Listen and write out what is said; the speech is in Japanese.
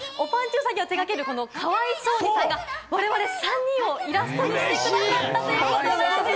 うさぎを手掛ける「可哀想に！」さんが我々３人をイラストにしてくださったということなんです。